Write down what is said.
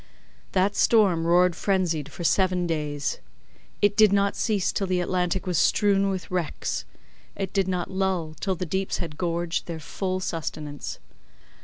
That storm roared frenzied, for seven days. It did not cease till the Atlantic was strewn with wrecks: it did not lull till the deeps had gorged their full of sustenance.